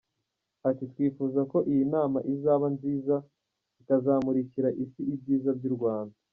Ati “Twifuza ko iyi nama izaba nziza ikazamurikira Isi ibyiza by’u Rwanda.